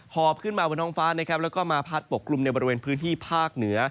หอบขึ้นมาบนท้องฟ้านะครับแล้วก็มาพัดปกกลุ่มในบริเวณพื้นที่ภาคเหนือ